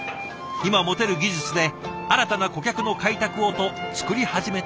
今持てる技術で新たな顧客の開拓をと作り始めたもの。